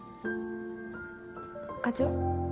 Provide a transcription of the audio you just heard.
課長？